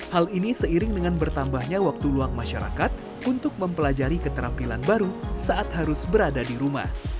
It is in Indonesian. hal ini seiring dengan bertambahnya waktu luang masyarakat untuk mempelajari keterampilan baru saat harus berada di rumah